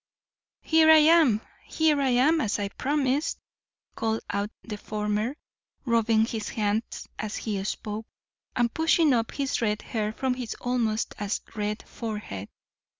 "Here I am, here I am, as I promised!" called out the former, rubbing his hands as he spoke, and pushing up his red hair from his almost as red forehead.